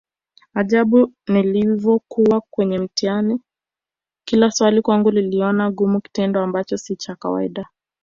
Ajabu nilivokuwa kwenye mtihani kila swali kwangu nililiona gumu kitendo Ambacho si cha kawaida